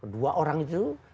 dua orang itu